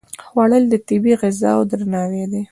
خوړل د طبیعي غذاو درناوی دی